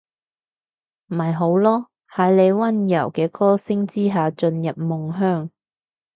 咪好囉，喺你溫柔嘅歌聲之下進入夢鄉